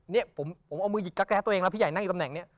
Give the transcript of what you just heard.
เนี่ยผมเอามือหยิกกาแร้ตัวเองแล้วพี่ใหญ่นั่งอยู่ตำแหน่งนี้